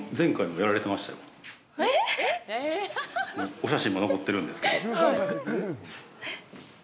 お写真も残ってるんですけど。